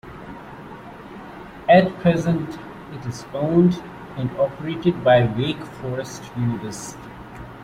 At present, it is owned and operated by Wake Forest University.